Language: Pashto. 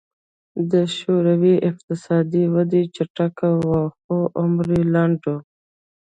د شوروي اقتصادي وده چټکه وه خو عمر یې لنډ و